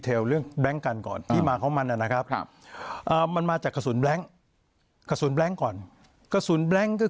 คือแบงก์กันเพราะว่าเด็กไม่ใช่กอเหตุเนี่ย